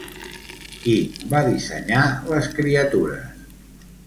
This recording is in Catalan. Qui va dissenyar les criatures?